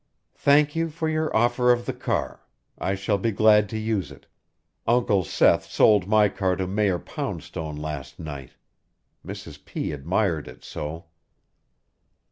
Thank you for your offer of the car. I shall be glad to use it. Uncle Seth sold my car to Mayor Poundstone last night. Mrs. P. admired it so!"